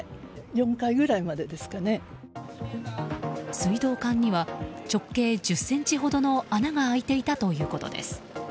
水道管には直径１０ｃｍほどの穴が開いていたということです。